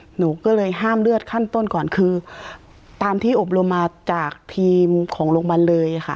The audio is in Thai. หนูก็เลยห้ามเลือดขั้นต้นก่อนคือตามที่อบรมมาจากทีมของโรงพยาบาลเลยค่ะ